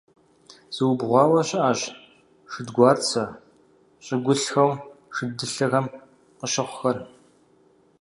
Зыубгъуауэ щыӀэщ шэдгуарцэ щӀыгулъхэу шэдылъэхэм къыщыхъухэр.